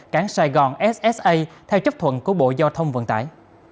cảng sài gòn ssa theo chấp thuận của bộ giao thông vận tải